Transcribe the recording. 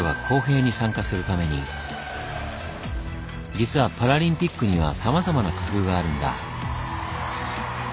実はパラリンピックにはさまざまな工夫があるんだ。